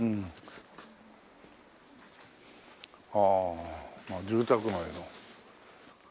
ああ住宅街の。